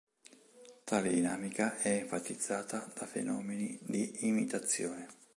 Tale dinamica è enfatizzata da fenomeni di imitazione.